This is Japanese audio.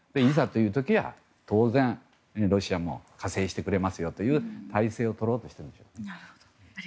いざという時には当然ロシアも加勢してくれますよという態勢を取ろうとしています。